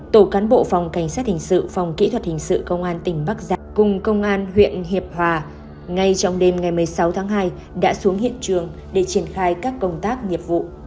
tổ cán bộ phòng cảnh sát hình sự phòng kỹ thuật hình sự công an tỉnh bắc giả cung công an huyện hiệp hòa ngay trong đêm ngày một mươi sáu tháng hai đã xuống hiện trường để triển khai các công tác nghiệp vụ